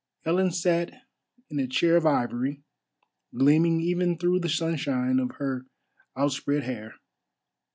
Helen sat in a chair of ivory, gleaming even through the sunshine of her outspread hair.